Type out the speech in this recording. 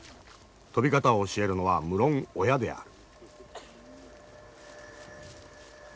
飛び方を教えるのは無論親である。